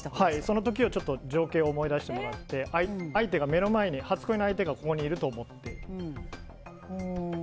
その時の情景を思い出してもらって初恋の相手が目の前に、ここにいると思って。